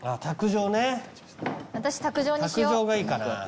卓上がいいかな。